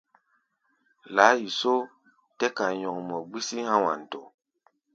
Laáiso tɛ́ kai nyɔŋmɔ gbísí há̧ Wanto.